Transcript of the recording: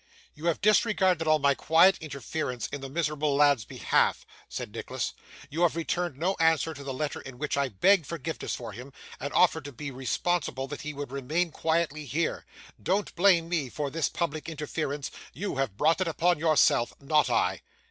'You have disregarded all my quiet interference in the miserable lad's behalf,' said Nicholas; 'you have returned no answer to the letter in which I begged forgiveness for him, and offered to be responsible that he would remain quietly here. Don't blame me for this public interference. You have brought it upon yourself; not I.